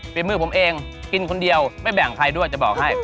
มือผมเองกินคนเดียวไม่แบ่งใครด้วยจะบอกให้